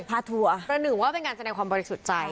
เผาทำมือว่าเป็นการแสดงความบัติสุดใจ